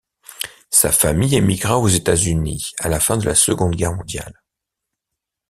Sa famille émigra aux États-Unis à la fin de la Seconde Guerre mondiale.